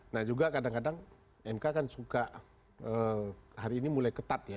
nah juga kadang kadang mk kan suka hari ini mulai ketat ya